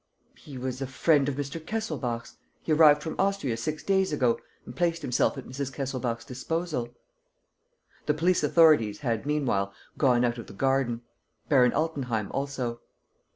"He was a friend of Mr. Kesselbach's. He arrived from Austria, six days ago, and placed himself at Mrs. Kesselbach's disposal." The police authorities had, meanwhile, gone out of the garden; Baron Altenheim also.